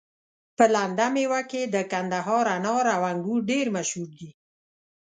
په لنده ميوه کي د کندهار انار او انګور ډير مشهور دي